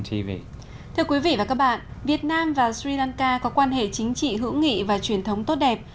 thưa quý vị và các bạn việt nam và sri lanka có quan hệ chính trị hữu nghị và truyền thống tốt đẹp